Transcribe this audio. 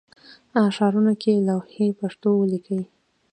ښارونو کې لوحې پښتو ولیکئ